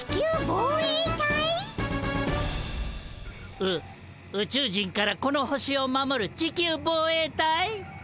う宇宙人からこの星を守る地球防衛隊？